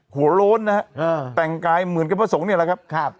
หัวโล้นนะฮะแต่งกายเหมือนกับพระสงฆ์เนี่ยแหละครับ